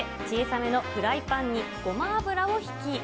小さめのフライパンにごま油を引き。